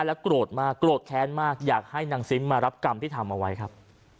โกรธมากโกรธแค้นมากอยากให้นางซิมมารับกรรมที่ทำเอาไว้ครับ